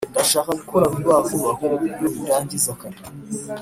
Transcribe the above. Ndashaka gukora vuba vuba kuburyo ndangiza kare